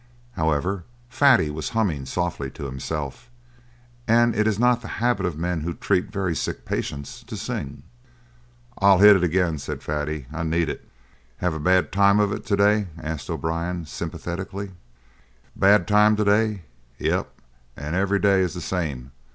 However, Fatty was humming softly to himself, and it is not the habit of men who treat very sick patients to sing. "I'll hit it agin," said Fatty. "I need it." "Have a bad time of it to day?" asked O'Brien sympathetically. "Bad time to day? Yep, an' every day is the same.